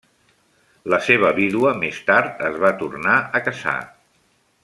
La seva vídua més tard es va tornar a casar.